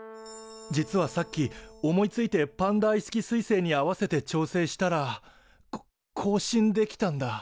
実はさっき思いついてパンダーイスキ彗星に合わせて調整したらこ交信できたんだ。